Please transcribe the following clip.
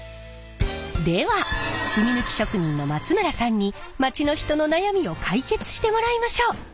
ではしみ抜き職人の松村さんに街の人の悩みを解決してもらいましょう。